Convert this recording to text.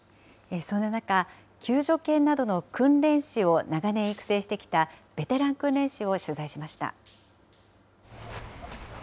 そんな中、救助犬などの訓練士を長年育成してきたベテラン訓練士を取材しました。